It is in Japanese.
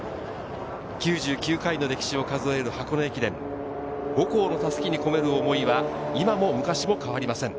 ９９回の歴史を数える箱根駅伝、母校の襷に込める想いは今も昔も変わりません。